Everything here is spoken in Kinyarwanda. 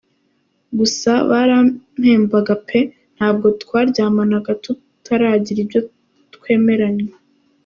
gusa barampembaga pe, ntabwo twaryamanaga tutaragira ibyo twemeranywa’.